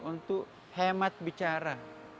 untuk hemat bicara